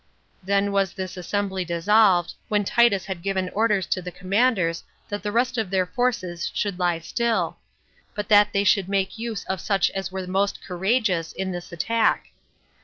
Then was this assembly dissolved, when Titus had given orders to the commanders that the rest of their forces should lie still; but that they should make use of such as were most courageous in this attack.